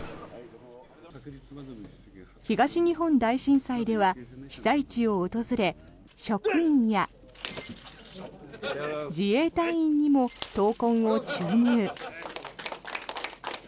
東日本大震災では被災地を訪れ職員や自衛隊員にも闘魂を注入。